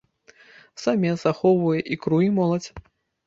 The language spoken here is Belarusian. Самец ахоўвае ікру і моладзь.